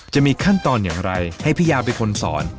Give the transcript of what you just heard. จะมีขั้นตอนอย่างไรให้พี่ยาเป็นคนสอน